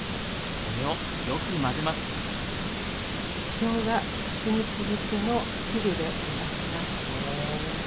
これをよく混ぜますしょうがはちみつ漬けの汁でのばします。